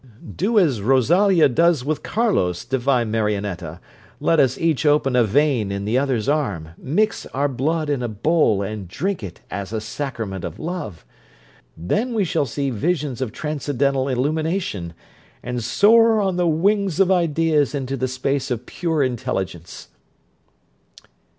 'Do as Rosalia does with Carlos, divine Marionetta. Let us each open a vein in the other's arm, mix our blood in a bowl, and drink it as a sacrament of love. Then we shall see visions of transcendental illumination, and soar on the wings of ideas into the space of pure intelligence.'